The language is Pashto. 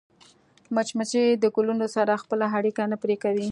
مچمچۍ د ګلونو سره خپله اړیکه نه پرې کوي